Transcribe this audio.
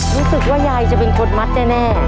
รู้สึกว่ายายจะเป็นคนมัดแน่